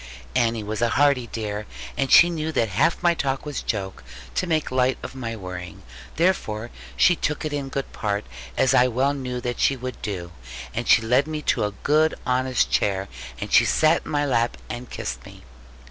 Annie was a hearty dear, and she knew that half my talk was joke, to make light of my worrying. Therefore she took it in good part, as I well knew that she would do; and she led me to a good honest chair; and she sat in my lap and kissed me.